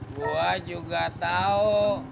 gua juga tau